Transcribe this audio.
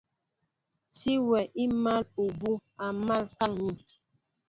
Síyɛ í máál ubú' a mǎl kaŋ̀ŋi.